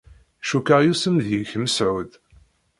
Cukkeɣ yusem deg-k Mesεud.